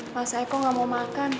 mas eko nggak mau makan